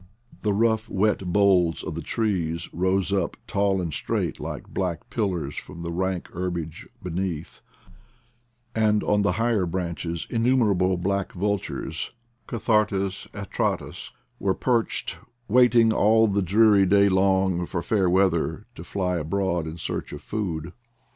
The rough, wet boles of the trees rose up tall and straight like black pillars from the rank herbage beneath, and on the higher branches innumerable black vultures (Cathartes atratus) were perched, waiting all the 50 IDLE DAYS IN PATAGONIA dreary day long for fair weather to fly abroad in search of food.